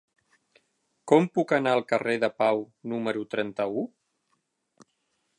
Com puc anar al carrer de Pau número trenta-u?